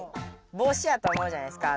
ぼうしやと思うじゃないですか。